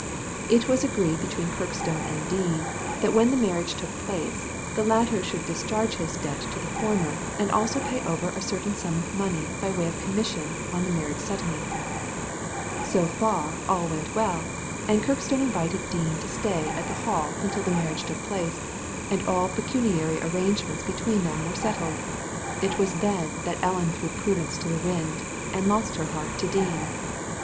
It was agreed between Kirk stone and Dean that when the marriage took place the latter should discharge his debt to the former, and also pay over a certain sum of money by way of com mission on the marriage settlement So far all went well, and Kirkstone invited Dean to stay at the Hall Digitized by Google THE CRIME OF KIRKSTONE HALL 6i until the marriage took place, and all pecuniary arran gements between them were settled. It was then that Ellen threw prudence to the wind, and lost her heart to Dean.